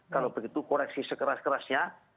kalau begitu koreksi sekeras kerasnya